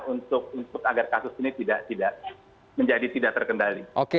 untuk agar kasus ini tidak menjadi tidak terkendali